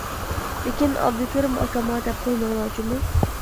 لېكىن ئابدۇكېرىم ئاكامغا دەپ قويماڭلار جۇمۇ.